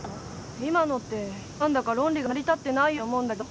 今のって何だか論理が成り立ってないように思うんだけど。